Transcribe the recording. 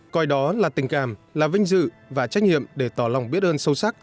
coi đó là tình cảm là vinh dự và trách nhiệm để tỏ lòng biết ơn sâu sắc